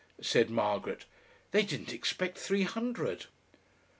said Margaret. "They didn't expect three hundred."